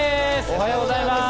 おはようございます。